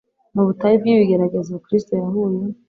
Mu butayu bw’ibigeragezo, Kristo yahuye